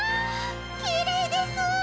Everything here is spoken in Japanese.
きれいですぅ！